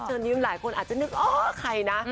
คนอาจจะนึกอ๋อใครนะ